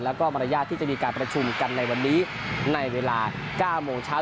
แล้วก็มารยาทที่จะมีการประชุมกันในวันนี้ในเวลา๙โมงเช้า